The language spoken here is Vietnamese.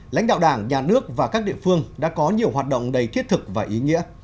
lãnh đạo đảng nhà nước và các địa phương đã có nhiều hoạt động đầy thiết thực và ý nghĩa